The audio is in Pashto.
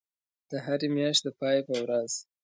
د هری میاشتی د پای په ورځ